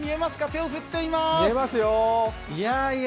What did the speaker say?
手を振っています。